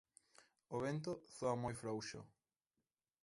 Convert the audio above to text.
O vento zoa moi frouxo.